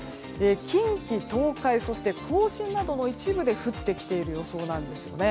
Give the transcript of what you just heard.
近畿、東海そして甲信などの一部で降ってきている予想なんですよね。